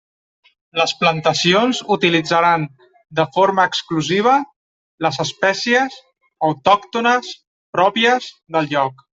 Les plantacions utilitzaran de forma exclusiva les espècies autòctones pròpies del lloc.